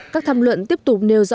các tham luận tiếp tục nêu rõ